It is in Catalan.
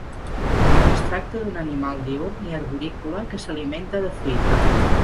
Es tracta d'un animal diürn i arborícola que s'alimenta de fruita.